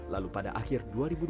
lalu pada akhir dua ribu dua puluh